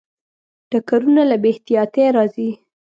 ټکرونه له بې احتیاطۍ راځي.